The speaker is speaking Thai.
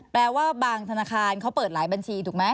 แปลว่าบางธนาคารเขาเปิดหลายบัญชีถูกไหม